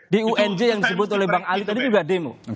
di unj yang disebut oleh bang ali tadi juga demo